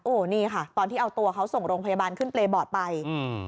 นี่ค่ะตอนที่เอาตัวเขาส่งโรงพยาบาลขึ้นเปรย์บอร์ดไปอืม